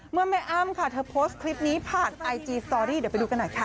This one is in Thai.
แม่อ้ำค่ะเธอโพสต์คลิปนี้ผ่านไอจีสตอรี่เดี๋ยวไปดูกันหน่อยค่ะ